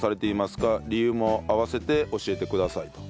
理由も併せて教えてくださいと。